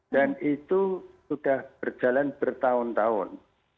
dan itu sudah berjalan bertahun tahun